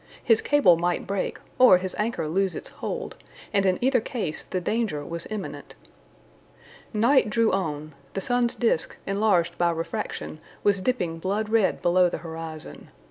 His cable might break, or his anchor lose its hold, and in either case the danger was imminent. Night drew on; the sun's disc, enlarged by refraction, was dipping blood red below the horizon.